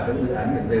các dự án nguồn tái tạo